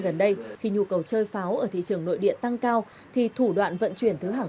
gần đây khi nhu cầu chơi pháo ở thị trường nội địa tăng cao thì thủ đoạn vận chuyển thứ hàng